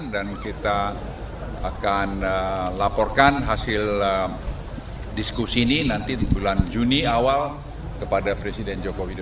kita akan laporkan hasil diskusi ini nanti di bulan juni awal kepada presiden joko widodo